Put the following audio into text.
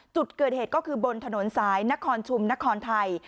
จุดเกิดเหตุก็คือบนถนนสายนครชุมนครไทย